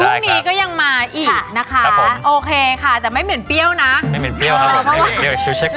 พุ่งนี้ก็ยังมายิ่งนะคะโอเคค่ะแต่ไม่เหมือนเปรี้ยวนะช่วยเช็คกัน